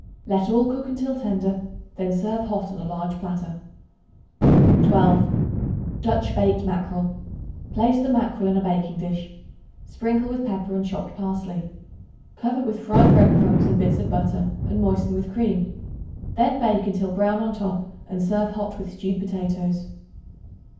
Let all cook until tender; then serve hot on a large platter. 12. Dutch Baked Mackerel. Place the mackerel in a baking dish; sprinkle with pepper and chopped parsley. Cover with fried bread crumbs and bits of butter, and moisten with cream. Then bake until brown on top and serve hot with stewed potatoes.